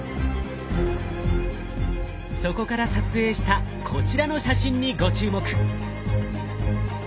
そこから撮影したこちらの写真にご注目。